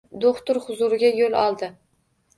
Do‘xtir huzuriga yo‘l oldi.